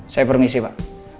saya permisi pak